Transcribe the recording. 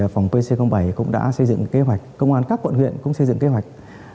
phòng pc bảy cũng đã xây dựng kế hoạch công an các quận huyện cũng xây dựng kế hoạch